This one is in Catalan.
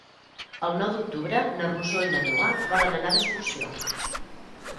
El nou d'octubre na Rosó i na Noa volen anar d'excursió.